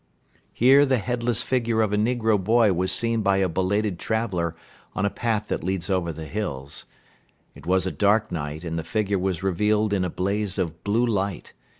Here the headless figure of a negro boy was seen by a belated traveller on a path that leads over the hills. It was a dark night and the figure was revealed in a blaze of blue light.